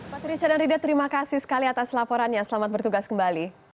patricia dan rida terima kasih sekali atas laporannya selamat bertugas kembali